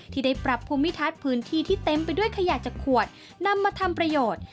ที่ได้ปรับภูมิทัศน์พื้นที่ที่เต็มไปด้วยขยะจากขวดนำมาทำประโยชน์